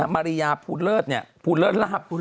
มารียาพูดเลิศเนี่ยพูดเลิศลาบ